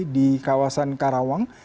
di kawasan karawang